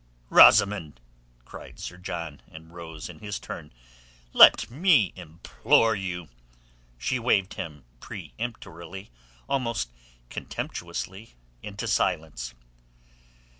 "Rosamund!" cried Sir John, and rose in his turn. "Let me implore you...." She waved him peremptorily, almost contemptuously, into silence.